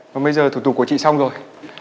và bây giờ thủ tục của chị xong rồi